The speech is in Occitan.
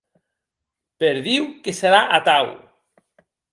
Per Diu que serà atau!